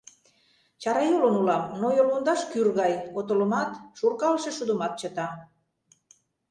Чарайолын улам, но йолвундаш кӱр гай — отылымат, шуркалыше шудымат чыта.